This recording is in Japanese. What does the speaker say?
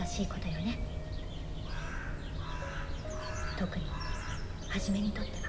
特にハジメにとっては。